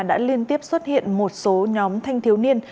đã liên tiếp xuất hiện một số nhóm thanh thiếu niên